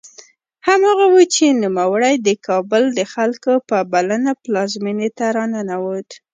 هماغه و چې نوموړی د کابل د خلکو په بلنه پلازمېنې ته راننوت.